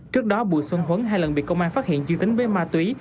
trước đó bùi xuân huấn hai lần bị công an phát hiện dương tính với ma túy